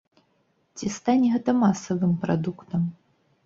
Ці стане гэта масавым прадуктам?